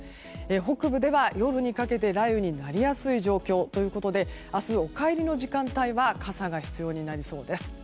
北部では夜にかけて雷雨になりやすい状況ということで明日、お帰りの時間帯は傘が必要になりそうです。